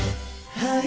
はい！